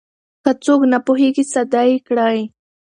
که څوک نه پوهېږي ساده يې کړئ.